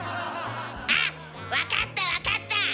あっ分かった分かった！